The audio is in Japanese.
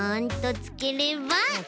つければ？